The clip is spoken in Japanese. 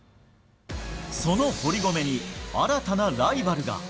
その堀米に新たなライバルが。